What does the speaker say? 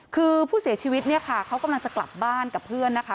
คือผู้เสียชีวิตเนี่ยค่ะเขากำลังจะกลับบ้านกับเพื่อนนะคะ